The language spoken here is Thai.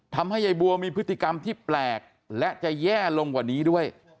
ทำให้ยายบัวมีพฤติกรรมที่แปลกและจะแย่ลงกว่านี้ด้วย